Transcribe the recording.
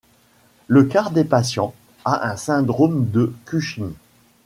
Le quart des patients a un syndrome de Cushing.